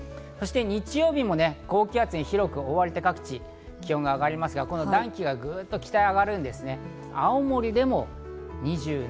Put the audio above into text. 日曜日も高気圧に広く覆われて、各地気温が上がりますが暖気がグッと北に上がるんですね。